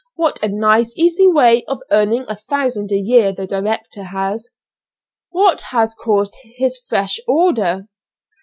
What a nice easy way of earning a thousand a year the director has?" "What has caused this fresh order?"